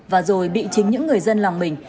và rồi bị chính những người dân làm mình